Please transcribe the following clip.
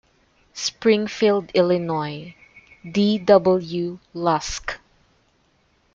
Springfield, Ill.: D. W. Lusk.